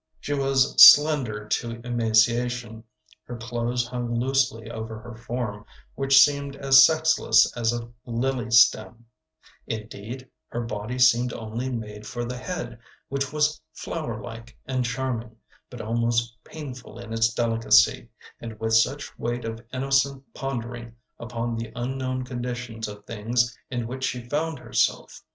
She was slender to emaciation; her clothes hung loosely over her form, which seemed as sexless as a lily stem; indeed, her body seemed only made for the head, which was flower like and charming, but almost painful in its delicacy, and with such weight of innocent pondering upon the unknown conditions of things in which she found herself.